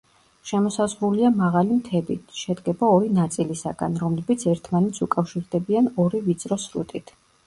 შემოსაზღვრულია მაღალი მთებით, შედგება ორი ნაწილისაგან, რომლებიც ერთმანეთს უკავშირდებიან ორი ვიწრო სრუტით.